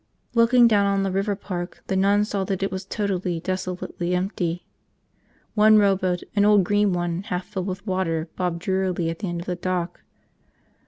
... Looking down on the river park, the nun saw that it was totally, desolately empty. One rowboat, an old green one half filled with water, bobbed drearily at the end of the dock.